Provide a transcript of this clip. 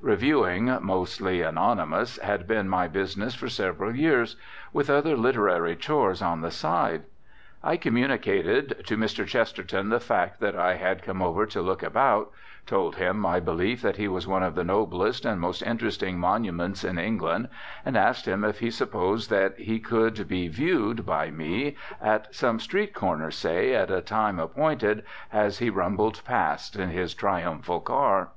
Reviewing, mostly anonymous, had been my business for several years, with other literary chores on the side. I communicated to Mr. Chesterton the fact that I had come over to look about, told him my belief that he was one of the noblest and most interesting monuments in England, and asked him if he supposed that he could be "viewed" by me, at some street corner, say, at a time appointed, as he rumbled past in his triumphal car.